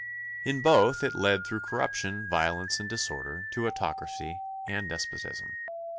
In both it led through corruption, violence, and disorder to autocracy and despotism.